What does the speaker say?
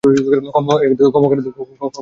ক্ষমা করে দাও, বাবা।